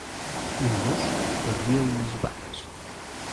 Un gos arria unes vaques